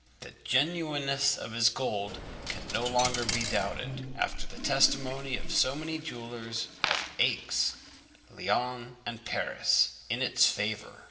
The genuineness of his gold can no longer be doubted, after the testimony of so many jewellers of Aix, Lyons, and Paris in its favour.